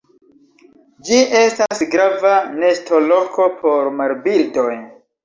Ĝi estas grava nestoloko por marbirdoj.